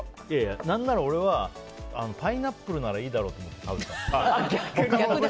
何なら俺はパイナップルならいいだろうと思って食べたんですよ。